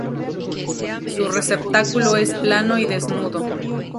Su receptáculo es plano y desnudo.